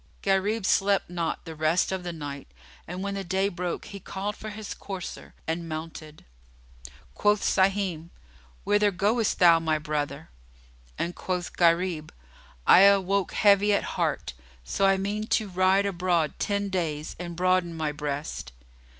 Gharib slept not the rest of the night and, when the day broke, he called for his courser and mounted. Quoth Sahim, "Whither goest thou, my brother?" and quoth Gharib, "I awoke heavy at heart; so I mean to ride abroad ten days and broaden my breast."